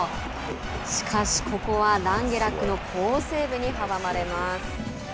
しかし、ここはランゲラックの好セーブに阻まれます。